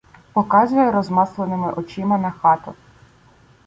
Показує розмасленими очима на хату: